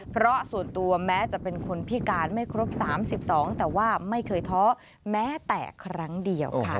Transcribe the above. เพราะส่วนตัวแม้จะเป็นคนพิการไม่ครบ๓๒แต่ว่าไม่เคยท้อแม้แต่ครั้งเดียวค่ะ